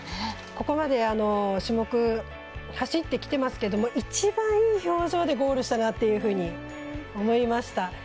ここまで、種目走ってきてますけど一番、いい表情でゴールしたなと思いました。